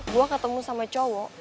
gua ketemu sama cowok